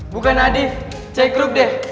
bukan adif cek grup deh